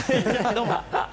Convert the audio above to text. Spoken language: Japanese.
どうも。